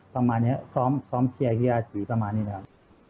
ประมาณนี้ซ้อมเชียร์กีฬาสีประมาณนี้นะครับ